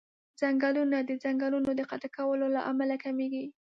ځنګلونه د ځنګلونو د قطع کولو له امله کميږي.